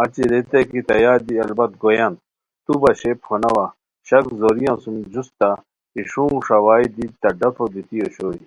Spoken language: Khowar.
اچی ریتائے کی تہ یادی البت گویان تو باشئے پھوناوا شک زوریان سُم جوستہ ای شونگ ݰاوائے دی تہ ڈفو دیتی اوشوئے